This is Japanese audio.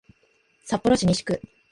札幌市西区